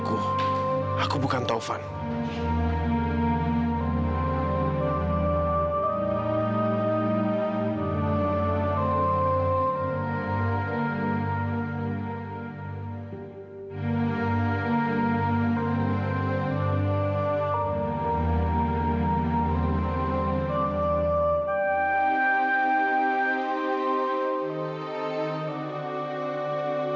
aku mau menerima kenyataan bahwa taufan udah meninggal